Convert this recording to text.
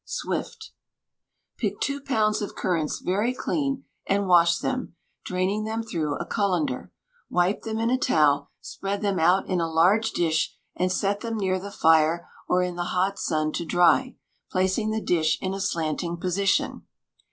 SWIFT. Pick two pounds of currants very clean, and wash them, draining them through a cullender. Wipe them in a towel, spread them out in a large dish, and set them near the fire or in the hot sun to dry, placing the dish in a slanting position.